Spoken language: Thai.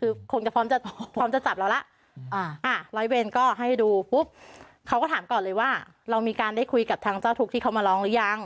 คือคงจะพร้อมจะพร้อมจะจับเราแล้วร้อยเวรก็ให้ดูปุ๊บเขาก็ถามก่อนเลยว่าเรามีการได้คุยกับทางเจ้าทุกข์ที่เขามาร้องหรือยัง